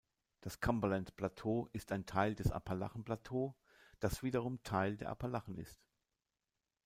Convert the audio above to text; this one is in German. Das Cumberland-Plateau ist ein Teil des Appalachen-Plateau, das wiederum Teil der Appalachen ist.